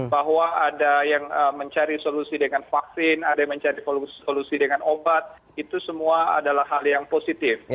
bahwa ada yang mencari solusi dengan vaksin ada yang mencari solusi dengan obat itu semua adalah hal yang positif